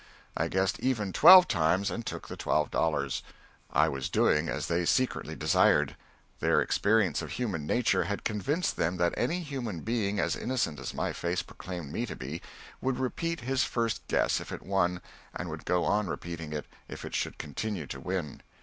I guessed "even" twelve times, and took the twelve dollars. I was doing as they secretly desired. Their experience of human nature had convinced them that any human being as innocent as my face proclaimed me to be, would repeat his first guess if it won, and would go on repeating it if it should continue to win.